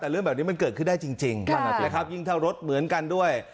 แต่เรื่องแบบนี้มันเกิดขึ้นได้จริงนะครับยิ่งถ้ารถเหมือนกันด้วย